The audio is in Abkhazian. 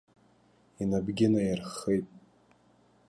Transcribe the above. Инапгьы наирххеит.